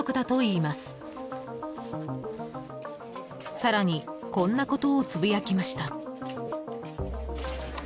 ［さらにこんなことをつぶやきました］